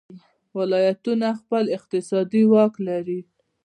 ولایتونه خپل اقتصادي واک لري.